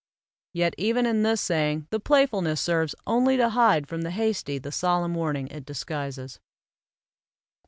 Yet even in this saying the playfulness serves only to hide from the hasty the solemn warning it disguises.